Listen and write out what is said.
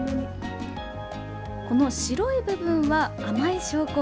この白い部分は甘い証拠。